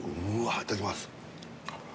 いただきます